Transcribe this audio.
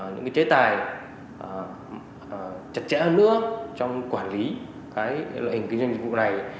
những chế tài chặt chẽ hơn nữa trong quản lý loại hình kinh doanh dịch vụ này